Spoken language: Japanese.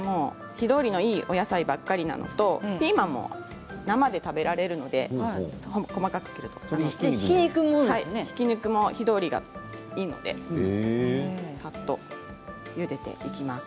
火通りがいいお野菜なのとピーマンも生で食べられるのでひき肉も火通りがいいのでさっとゆでていきます。